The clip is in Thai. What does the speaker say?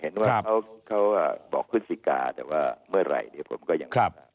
เห็นว่าเขาบอกพฤศจิกาแต่ว่าเมื่อไหร่เนี่ยผมก็ยังไม่ทราบ